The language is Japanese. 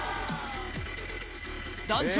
団長